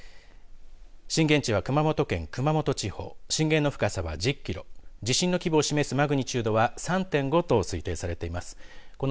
震源地は熊本県熊本地方震源の深さは１０キロ地震の規模を示すマグニチュードは３．５と推定されています。